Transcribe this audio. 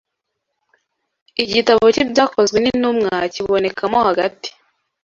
igitabo cy'Ibyakozwe n'Intumwa kiboneka mo hagati